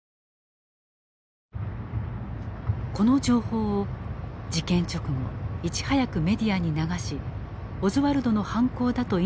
この情報を事件直後いち早くメディアに流しオズワルドの犯行だと印象づけた男たちがいた。